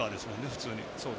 普通に。